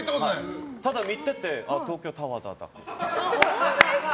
ただ見てて、東京タワーだって。